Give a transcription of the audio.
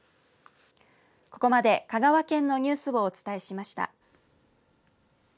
ここまで香川県のニュースをお伝えしました。